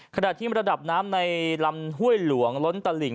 ขณะที่ระดับน้ำในลำห้วยหลวงล้นตลิ่ง